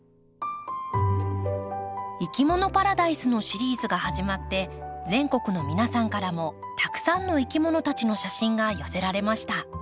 「いきものパラダイス」のシリーズが始まって全国の皆さんからもたくさんのいきものたちの写真が寄せられました。